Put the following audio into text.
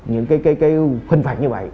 những cái hình phạt như vậy